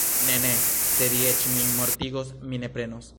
Ne, ne, se vi eĉ min mortigos, mi ne prenos!